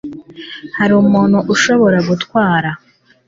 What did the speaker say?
Hari umuntu ushobora gutwara